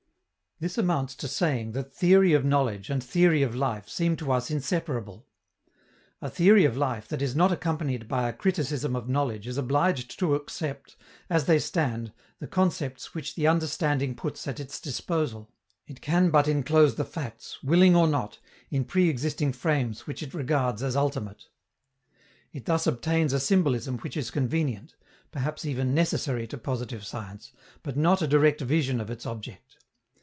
This amounts to saying that theory of knowledge and theory of life seem to us inseparable. A theory of life that is not accompanied by a criticism of knowledge is obliged to accept, as they stand, the concepts which the understanding puts at its disposal: it can but enclose the facts, willing or not, in pre existing frames which it regards as ultimate. It thus obtains a symbolism which is convenient, perhaps even necessary to positive science, but not a direct vision of its object.